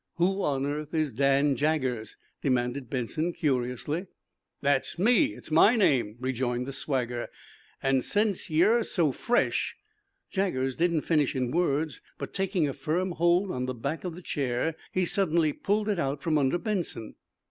"Who on earth is Dan Jaggers?" demanded Benson, curiously. "That's me! It's my name," rejoined the swagger. "An', sense ye're so fresh " Jaggers didn't finish in words, but, taking a firm hold on the back of the chair, he suddenly pulled it out from under Benson.